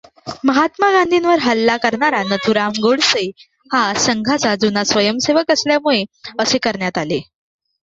महात्मा गांधींवर हल्ला करणारा नथुराम गोडसे हा संघाचा जुना स्वयंसेवक असल्यामुळे असे करण्यात आले.